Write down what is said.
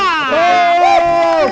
satu tim harus kompan